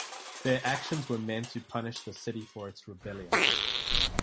Their actions were meant to punish the city for its rebellion.